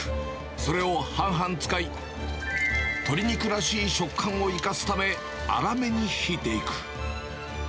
それを半々使い、鶏肉らしい食感を生かすため、粗めにひいていく。